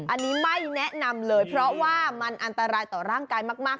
อันนี้ไม่แนะนำเลยเพราะว่ามันอันตรายต่อร่างกายมาก